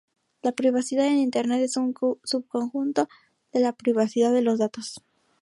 La privacidad en Internet es un subconjunto de la privacidad de los datos.